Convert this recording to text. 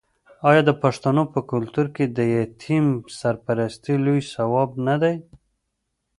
آیا د پښتنو په کلتور کې د یتیم سرپرستي لوی ثواب نه دی؟